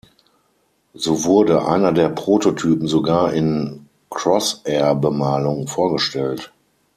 So wurde einer der Prototypen sogar in Crossair-Bemalung vorgestellt.